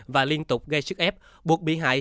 và liên tục gây sức ép buộc bị hại